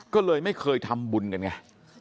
ก็เลยไม่เคยทำบุญกันไง